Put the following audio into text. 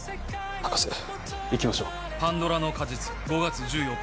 博士行きましょう。